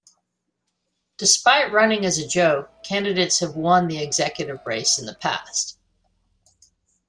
Despite running as a joke, candidates have won the executive race in the past.